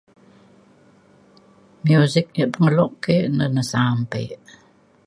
Muzik yak pengelo ke ina na sampe.